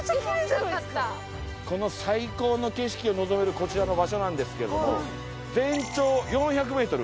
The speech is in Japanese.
この最高の景色を望めるこちらの場所なんですけども全長４００メートル。